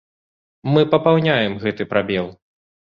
Мы папаўняем гэты прабел.